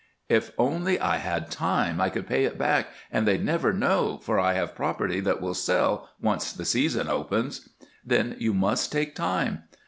"If only I had time I could pay it back and they'd never know, for I have property that will sell, once the season opens." "Then you must take time."